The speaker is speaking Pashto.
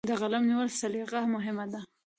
د قلم نیولو سلیقه مهمه ده.